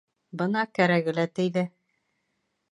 Бына кәрәге лә тейҙе.